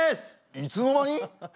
いつの間に？